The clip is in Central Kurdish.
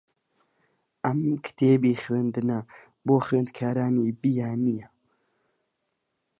ئەم کتێبی خوێندنە بۆ خوێندکارانی بیانییە.